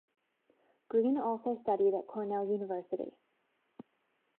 Green also studied at Cornell University.